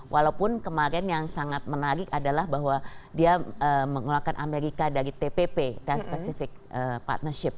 walaupun kemarin yang sangat menarik adalah bahwa dia mengeluarkan amerika dari tpp trans pacific partnership